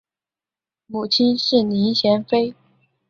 母亲是林贤妃。